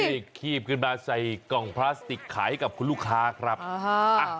รีบคีบขึ้นมาใส่กล่องพลาสติกขายให้กับคุณลูกค้าครับอ่าฮะอ่ะ